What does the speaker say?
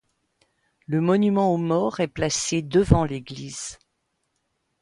Le monument aux morts est placé devant l'église.